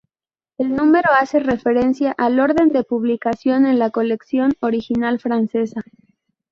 El número hace referencia al orden de publicación en la colección original francesa.